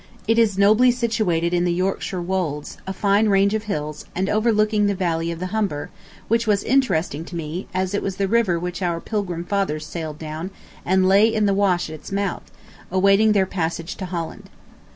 ... It is nobly situated in the Yorkshire wolds, a fine range of hills, and overlooking the valley of the Humber, which was interesting to me, as it was the river which our Pilgrim fathers sailed down and lay in the Wash at its mouth, awaiting their passage to Holland.